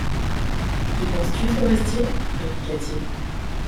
Y penses-tu, forestier? répliqua-t-il.